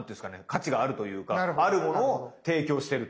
価値があるというかあるものを提供してるという。